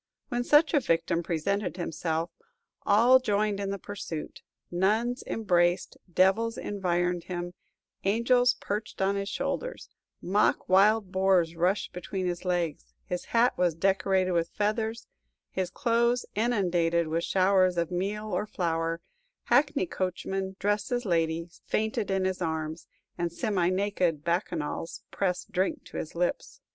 When such a victim presented himself, all joined in the pursuit: nuns embraced, devils environed him, angels perched on his shoulders, mock wild boars rushed between his legs; his hat was decorated with feathers, his clothes inundated with showers of meal or flour; hackney coachmen, dressed as ladies, fainted in his arms, and semi naked bacchanals pressed drink to his lips.